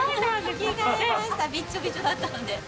着替えました、びっちょびちょだったので。